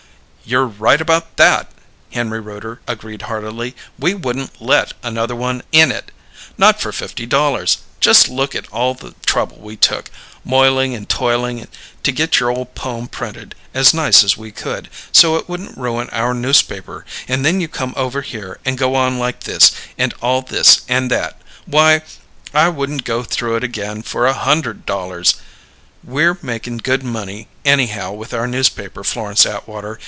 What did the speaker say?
"You're right about that!" Henry Rooter agreed heartily. "We wouldn't let another one in it. Not for fifty dollars! Just look at all the trouble we took, moiling and toiling, to get your ole poem printed as nice as we could, so it wouldn't ruin our newspaper, and then you come over here and go on like this, and all this and that, why, I wouldn't go through it again for a hunderd dollars! We're makin' good money anyhow, with our newspaper, Florence Atwater.